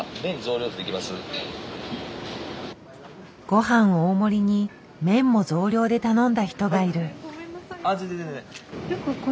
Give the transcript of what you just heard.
ごはん大盛りに麺も増量で頼んだ人がいる。